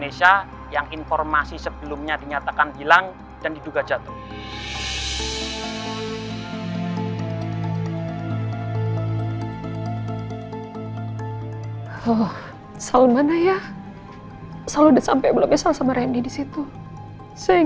ini benar benar berita